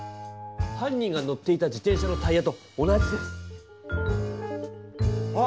犯人が乗っていた自転車のタイヤと同じです！あっ！